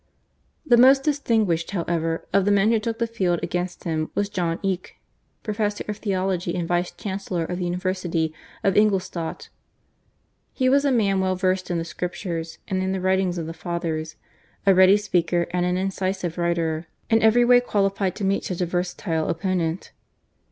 The most distinguished, however, of the men who took the field against him was John Eck, Professor of Theology and Vice Chancellor of the University of Ingolstadt. He was a man well versed in the Scriptures and in the writings of the Fathers, a ready speaker and an incisive writer, in every way qualified to meet such a versatile opponent.